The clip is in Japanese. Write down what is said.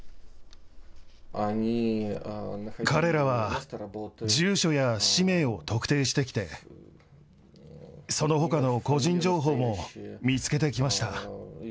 彼らは住所や氏名を特定してきて、そのほかの個人情報も見つけてきました。